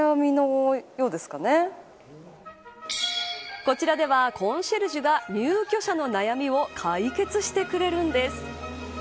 こちらではコンシェルジュが入居者の悩みを解決してくれるんです。